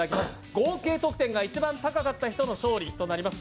合計得点が一番高かった人の勝利となります。